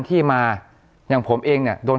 เค้ามองว่าคือ